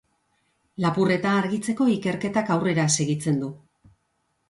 Lapurreta argitzeko ikerketak aurrera segitzen du.